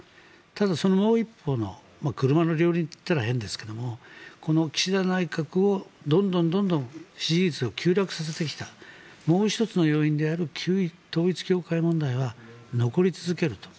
ただその一歩の車の両輪と言ったら変ですが岸田内閣のどんどん支持率を急落させてきたもう１つの要因である旧統一教会問題は残り続けると。